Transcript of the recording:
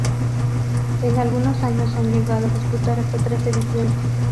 En algunos años se han llegado a disputar hasta tres ediciones.